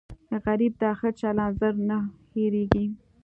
غریب ته ښه چلند زر نه هېریږي